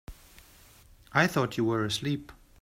I thought you were asleep.